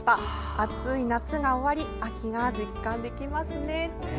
暑い夏が終わり秋が実感できますね。